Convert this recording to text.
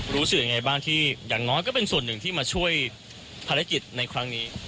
รู้สึกยังไงบ้างที่อย่างน้อยก็เป็นส่วนหนึ่งที่มาช่วยภารกิจในครั้งนี้